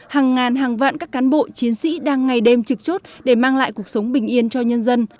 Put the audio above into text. hàng ngàn hàng vạn các cán bộ chiến sĩ đang ngày đêm trực chốt để mang lại cuộc sống bình yên cho nhân dân